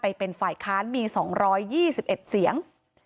ไปเป็นฝ่ายค้านมี๒๒๑เสียง